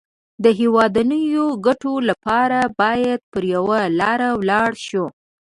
د هېوادنيو ګټو لپاره بايد پر يوه لاره ولاړ شو.